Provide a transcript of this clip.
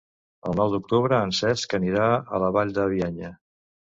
El nou d'octubre en Cesc anirà a la Vall de Bianya.